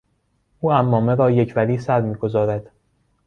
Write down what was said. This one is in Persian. او عمامه را یک وری سر میگذارد.